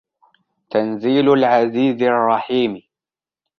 تَنْزِيلَ الْعَزِيزِ الرَّحِيمِ